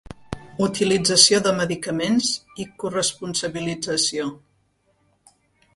Utilització de medicaments i corresponsabilització.